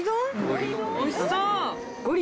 おいしそう！